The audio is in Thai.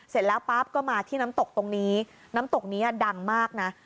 เสร็จแล้วปั๊บก็มาที่น้ำตกตรงนี้น้ำตกนี้ดังมากนะ